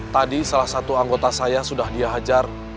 tadi salah satu anggota saya sudah dihajar